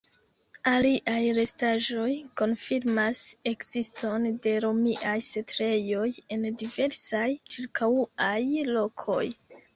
Aliaj restaĵoj konfirmas ekziston de romiaj setlejoj en diversaj ĉirkaŭaj lokoj.